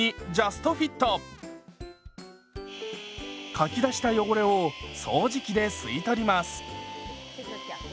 かき出した汚れを掃除機で吸い取ります。